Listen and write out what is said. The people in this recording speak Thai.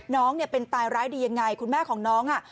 น้องเนี่ยเป็นตายร้ายดียังไงคุณแม่ของน้องอ่ะ